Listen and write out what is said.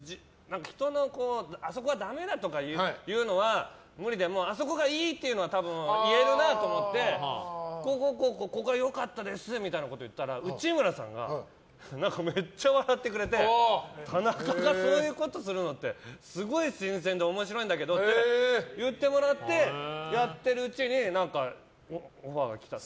あそこで審査員やってくれって言われてええ！って思ってでも人のあそこがダメだとか言うのは無理でもあそこがいいというのは多分言えるなと思ってここが良かったですみたいなことを言ったら内村さんが何かめっちゃ笑ってくれて田中がそういうことするのってすごい新鮮で面白いんだけどって言ってもらってやってるうちに、オファーが来た。